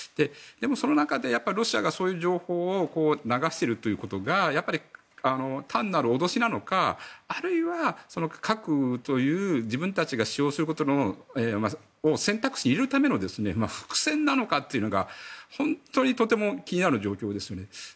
その中でロシアがそういう情報を流しているということが単なる脅しなのかあるいは核という自分たちが使用することを選択肢に入れるための伏線なのかというのが本当に気になる状況ですね。